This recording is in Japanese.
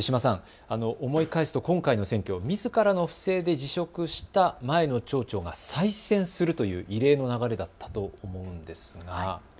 思い返すと今回の選挙、みずからの不正で辞職した前の町長が再選するという異例の流れだったと思うんです。